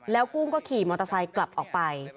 แล้วกุ้งก็ขี่มอเตอร์ไซค์กลับออกไป